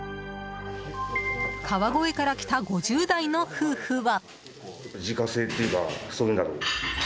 川越から来た５０代の夫婦は。